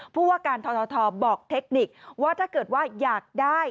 ผู้ว่าการททบอกเทคนิคว่าถ้าเกิดว่าอยากได้